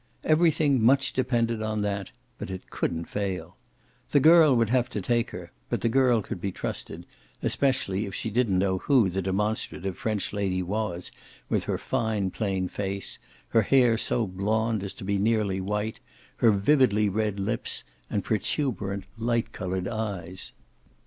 Everything much depended on that, but it couldn't fail. The girl would have to take her, but the girl could be trusted, especially if she didn't know who the demonstrative French lady was, with her fine plain face, her hair so blond as to be nearly white, her vividly red lips and protuberant light coloured eyes.